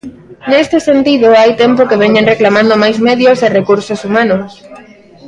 Neste sentido, hai tempo que veñen reclamando máis medios e recursos humanos.